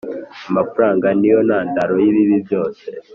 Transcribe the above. amafaranga niyo ntandaro y'ibibi byose.